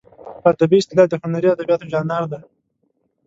په ادبي اصطلاح د هنري ادبیاتو ژانر دی.